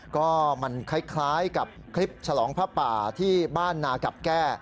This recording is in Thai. ก็มันคล้ายกับคลิปฉลองผ้าป่าที่บ้านนากับแก้